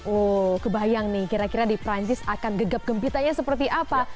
oh kebayang nih kira kira di perancis akan gegap gempitanya seperti apa